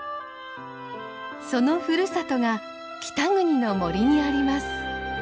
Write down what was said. そのふるさとが北国の森にあります。